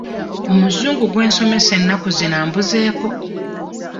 Omuzungu gwe nsomesa ennaku zino ambuzeeko.